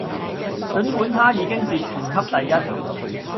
儘管她已經是全級第一